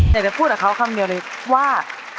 อยากจะพูดกับเขาคำเดียวเลยว่า